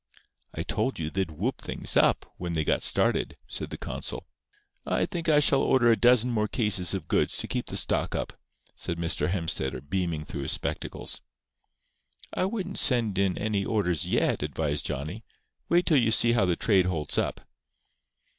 "I told you they'd whoop things up when they got started," said the consul. "I think I shall order a dozen more cases of goods, to keep the stock up," said Mr. Hemstetter, beaming through his spectacles. "I wouldn't send in any orders yet," advised Johnny. "Wait till you see how the trade holds up."